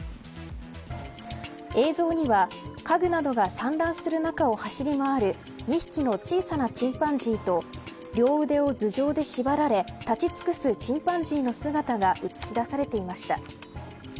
映像には、家具などが散乱する中を走り回る２匹の小さなチンパンジーと両腕を頭上で縛られ立ち尽くすチンパンジーの姿が映し出されていました。